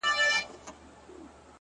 ويني ته مه څښه اوبه وڅښه،